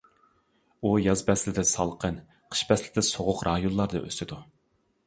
ئۇ ياز پەسلىدە سالقىن، قىش پەسلىدە سوغۇق رايونلاردا ئۆسىدۇ.